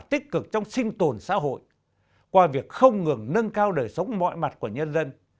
tích cực trong sinh tồn xã hội qua việc không ngừng nâng cao đời sống mọi mặt của nhân dân